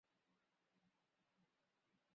斯科特县是美国伊利诺伊州西部的一个县。